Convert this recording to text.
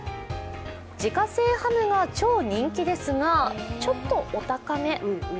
自家製ハムが超人気ですが、ちょっとお高め。